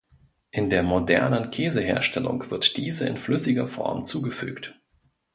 In der modernen Käseherstellung wird diese in flüssiger Form zugefügt.